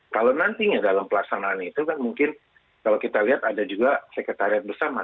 kalau nantinya dalam pelaksanaan itu kan mungkin kalau kita lihat ada juga sekretariat bersama